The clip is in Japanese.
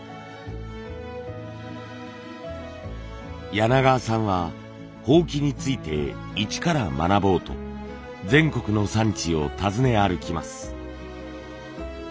柳川さんは箒について一から学ぼうと全国の産地を訪ね歩きます。